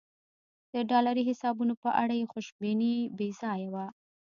د ډالري حسابونو په اړه یې خوشبیني بې ځایه وه.